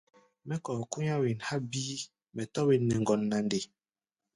Mɛ́ kɔ̧ɔ̧ kú̧í̧á̧ wen há̧ bíí, mɛ tɔ̧́ wen nɛ ŋgɔ́n na nde?